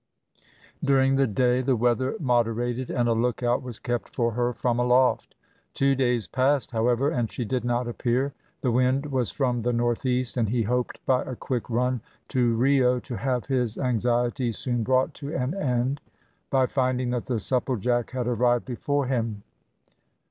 During the day the weather moderated, and a lookout was kept for her from aloft. Two days passed, however, and she did not appear. The wind was from the north east, and he hoped by a quick run to Rio to have his anxiety soon brought to an end by finding that the Supplejack had arrived before him.